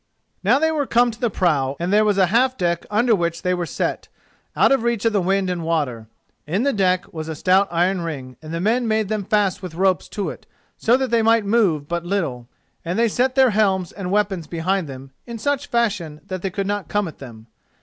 Now they were come to the prow, and there was a half deck under which they were set, out of reach of the wind and water. In the deck was a stout iron ring, and the men made them fast with ropes to it, so that they might move but little, and they set their helms and weapons behind them in such fashion that they could not come at them.